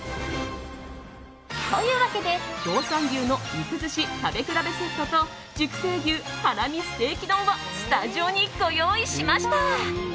というわけで道産牛の肉寿司食べ比べセットと熟成牛ハラミステーキ丼をスタジオにご用意しました。